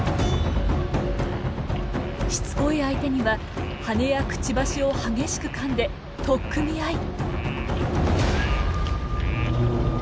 しつこい相手には羽やくちばしを激しくかんで取っ組み合い。